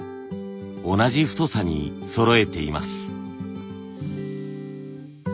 同じ太さにそろえています。